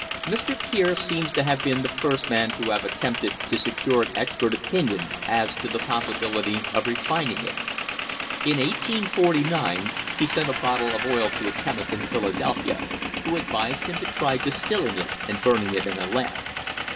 Mr. Kier seems to have been the first man to have attempted to secure an expert opinion as to the possibility of refining it. In 1849 he sent a bottle of oil to a chemist in Philadelphia, who advised him to try dis tilling it and burning it in a lamp.